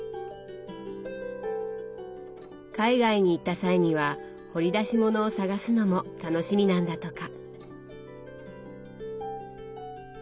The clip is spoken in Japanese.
海外に行った際には掘り出し物を探すのも楽しみなんだとか。